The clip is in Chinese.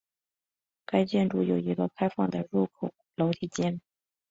该建筑有一个开放的入口楼梯间。